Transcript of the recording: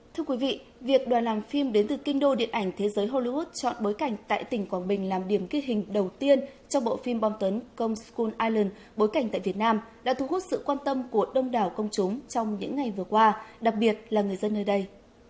thưa quý vị việc đoàn làm phim đến từ kinh đô điện ảnh thế giới hollywood chọn bối cảnh tại tỉnh quảng bình làm điểm ghi hình đầu tiên trong bộ phim bom tấn công scon ireland bối cảnh tại việt nam đã thu hút sự quan tâm của đông đảo công chúng trong những ngày vừa qua đặc biệt là người dân nơi đây